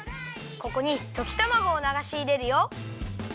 ここにときたまごをながしいれるよ。